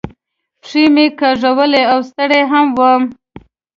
پښې مې کاږولې او ستړی هم ووم.